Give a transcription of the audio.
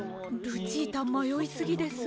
ルチータまよいすぎです。